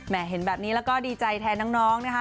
เห็นแบบนี้แล้วก็ดีใจแทนน้องนะคะ